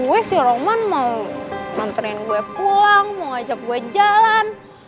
gue sih roman mau nganterin gue pulang mau ajak gue jalan